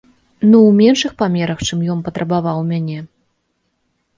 Ну ў меншых памерах, чым ён патрабаваў у мяне.